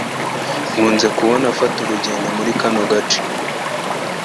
Nkunze kumubona afata urugendo muri kano gace.